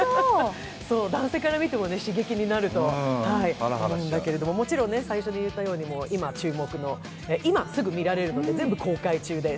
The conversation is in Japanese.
男性から見ても刺激になると思うんだけれども、もちろん最初に言ったように今全部見られる全部公開中です。